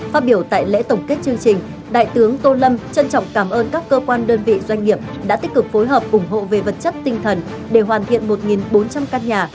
phát biểu tại lễ tổng kết chương trình đại tướng tô lâm trân trọng cảm ơn các cơ quan đơn vị doanh nghiệp đã tích cực phối hợp ủng hộ về vật chất tinh thần để hoàn thiện một bốn trăm linh căn nhà